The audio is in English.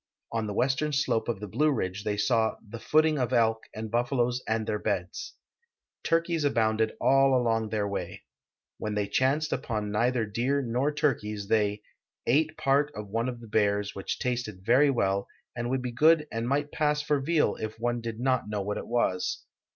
On the western sloi)e of the Blue Ridge the}' saw " the footing of elk and buffaloes and their beds." 'I'nrkeys abounded all along their way. ^^'hen they chanced upon neither deer nor turkeys the}' " ate part of one of the bears, which tasted very well and would be go«>d and might pass for veal if one did not know what it was."